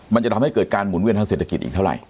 มันจะทำให้เกิดการหมุนเวียนทางเศรษฐกิจอีกเท่าไหร